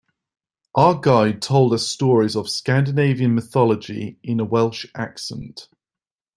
Our guide told us stories of Scandinavian mythology in a Welsh accent.